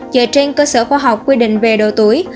dựa trên cơ sở khoa học quy định về độ tuổi